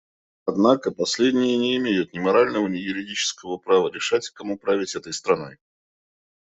Однако последние не имеют ни морального, ни юридического права решать, кому править этой страной.